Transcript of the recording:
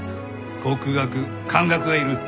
国学漢学がいる。